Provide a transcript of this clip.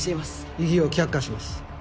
異議を却下します。